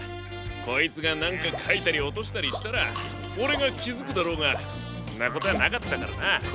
こいつがなんかかいたりおとしたりしたらオレがきづくだろうがんなことなかったからな。